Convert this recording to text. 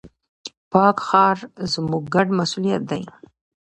پاک ښار، زموږ ګډ مسؤليت دی.